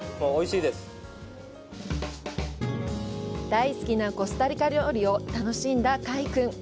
大好きなコスタリカのコスタリカ料理を楽しんだ快くん。